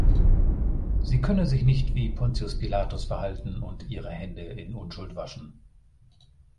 Sie können sich nicht wie Pontius Pilatus verhalten und ihre Hände in Unschuld waschen.